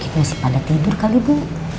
masih pada tidur kali bu